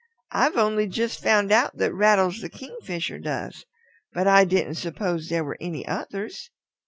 I've only just found out that Rattles the Kingfisher does. But I didn't suppose there were any others.